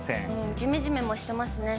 じめじめもしてますね。